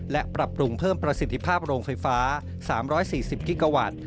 และปรับปรุงเพิ่มประสิทธิภาพโรงไฟฟ้า๓๔๐กิกาวัตต์